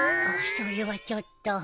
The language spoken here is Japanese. それはちょっと。